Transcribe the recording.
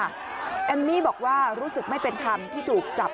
แอมมี่บอกว่ารู้สึกไม่เป็นธรรมที่ถูกจับ